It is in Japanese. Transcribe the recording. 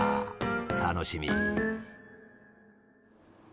楽しみ。